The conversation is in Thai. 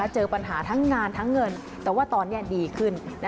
เจอปัญหาทั้งงานทั้งเงินแต่ว่าตอนนี้ดีขึ้น